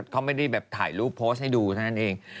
เขาไม่ได้แบบถ่ายรูปโพสต์ให้ดูเท่านั้นเอง